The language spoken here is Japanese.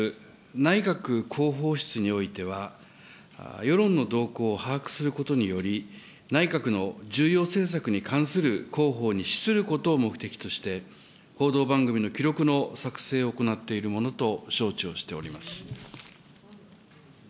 内閣広報室においては、世論の動向を把握することにより、内閣の重要政策に関する広報に資することを目的として、報道番組の記録の作成を行っているものと承知をしております。